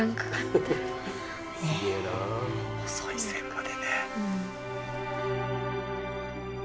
細い線までね。